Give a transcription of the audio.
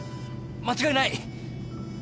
間違いない。